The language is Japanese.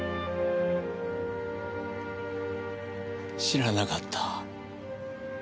知らなかった。